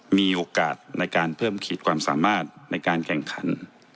มีโอกาสในการเพิ่มขีดความสามารถในการแข่งขัน